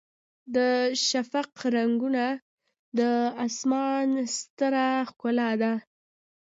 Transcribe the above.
د شفق رنګونه د اسمان ستره ښکلا ده.